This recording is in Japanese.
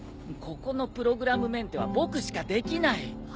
ここのプログラムメンテは僕しかできない。